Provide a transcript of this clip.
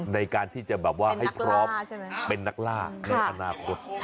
ในการที่จะแบบว่าให้พร้อมเป็นนักล่าในอนาคต